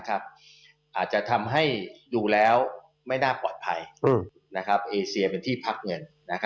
อาจจะทำให้ดูแล้วไม่น่าปลอดภัยเอเซียเป็นที่พักเงิน